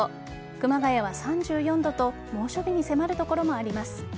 熊谷は３４度と猛暑日に迫る所もあります。